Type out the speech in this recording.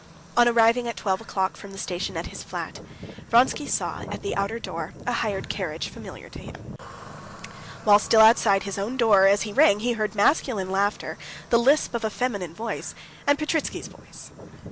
On arriving at twelve o'clock from the station at his flat, Vronsky saw, at the outer door, a hired carriage familiar to him. While still outside his own door, as he rang, he heard masculine laughter, the lisp of a feminine voice, and Petritsky's voice.